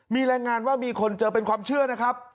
มีรายงานว่ามีคนเจอเป็นความเชื่อนะครับ